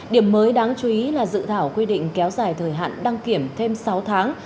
điểm mới đáng chú ý là dự thảo quy định kéo dài thời hạn đăng kiểm thêm sáu tháng